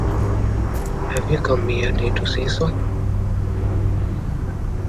Have you come merely to say so?